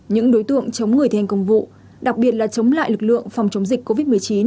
những đối tượng chống người thi hành công vụ đặc biệt là chống lại lực lượng phòng chống dịch covid một mươi chín